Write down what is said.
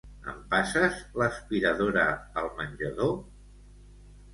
Em passes l'aspiradora al menjador?